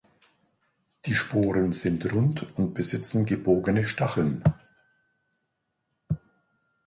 Die Sporen sind rund und besitzen gebogene Stacheln.